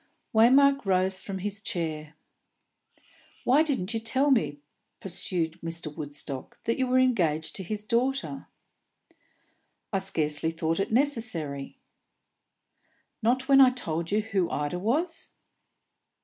Waymark rose from his chair. "Why didn't you tell me," pursued Mr. Woodstock, "that you were engaged to his daughter?" "I scarcely thought it necessary." "Not when I told you who Ida was?"